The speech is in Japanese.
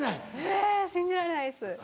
え信じられないです。